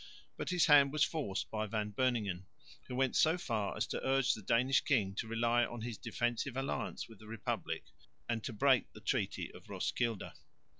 But his hand was forced by Van Beuningen, who went so far as to urge the Danish king to rely on his defensive alliance with the republic and to break the treaty of Roeskilde.